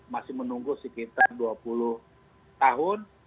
masih menunggu sekitar dua puluh tahun